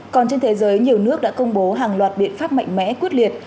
còn trên thế giới nhiều nước đã công bố hàng loạt biện pháp mạnh mẽ quyết liệt